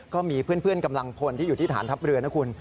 ก็มีเพื่อนกำลังพลที่อยู่ที่ฐานทัพเรือนะคุณ